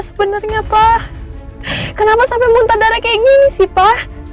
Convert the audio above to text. sebenarnya pak kenapa sampai muntah darah kayak gini sih pak